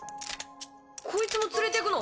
こいつも連れてくの？